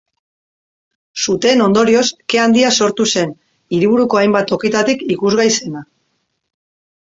Suteen ondorioz, ke handia sortu zen, hiriburuko hainbat tokitatik ikusgai zena.